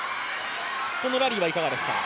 このラリーはいかがですか？